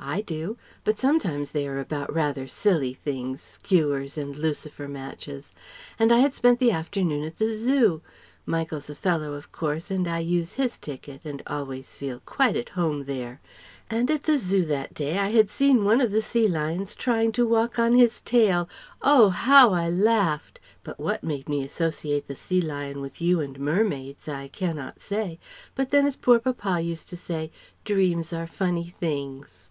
I do; but sometimes they are about rather silly things, skewers and lucifer matches ... and I had spent the afternoon at the Zoo. Michael's a fellow, of course, and I use his ticket and always feel quite at home there ... and at the Zoo that day I had seen one of the sea lions trying to walk on his tail.... Oh, how I laughed! But what made me associate the sea lion with you and mermaids, I cannot say, but then as poor papa used to say, 'Dreams are funny things'..."